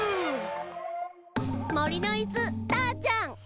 もりのいすターちゃん。